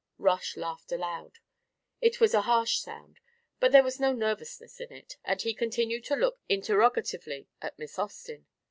Rush laughed aloud. It was a harsh sound, but there was no nervousness in it, and he continued to look interrogatively at Miss Austin.